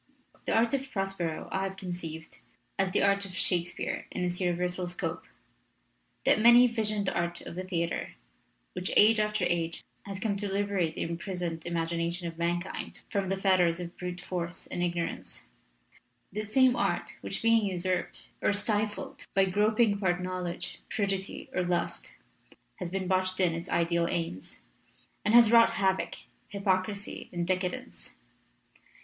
"The art of Prospero I have conceived as the art of Shakespeare in its universal scope that many visioned art of the theater, which age after age has come to liberate the imprisoned imagina tion of mankind from the fetters of brute force and ignorance; that same art which, being usurped or stifled by groping part knowledge, prudery, or lust, has been botched in its ideal aims, and has wrought havoc, hypocrisy, and decadence.